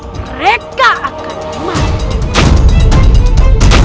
mereka akan dimalukan